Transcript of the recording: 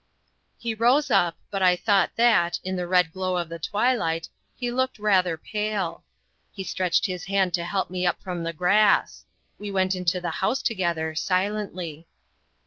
He rose up, but I thought that, in the red glow of the twilight, he looked rather pale. He stretched his hand to help me up from the grass. We went into the house together, silently.